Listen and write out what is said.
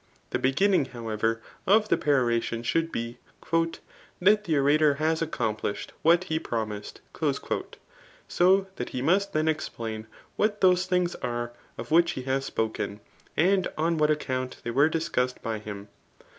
The begin* ningy however^ of the peroration should be, '* That the orator has accomplished what he promised ;'' so that he most then explain what those things are of which he has spoken, and on what account they were discussed by bim.